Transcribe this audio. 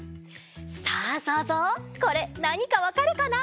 さあそうぞうこれなにかわかるかな？